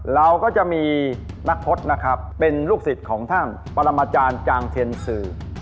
เราก็จะมีนักพจน์นะครับเป็นลูกศิษย์ของท่านปรมาจารย์จางเทนสื่อ